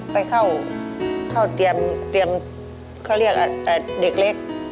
ไปเข้าเตรียมเขาเรียกเด็กเล็ก